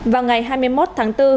vào ngày hai mươi một tháng bốn